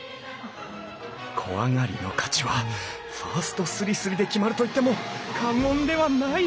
小上がりの価値はファーストすりすりで決まると言っても過言ではない！